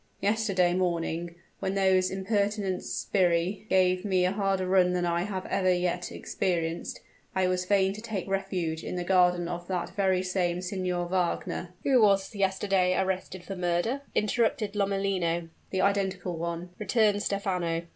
Yesterday morning, when those impertinent sbirri gave me a harder run than I have ever yet experienced, I was fain to take refuge in the garden of that very same Signor Wagner " "Who was yesterday arrested for murder?" interrupted Lomellino. "The identical one," returned Stephano.